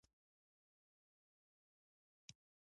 د احمد او علي شل کلنه بدي نن ایرې اوبه شوله.